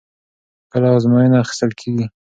کله ازموینه اخیستل کېږي؟